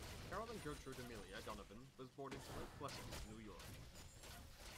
Carolyn Gertrude Amelia Donovan was born in Lake Placid, New York.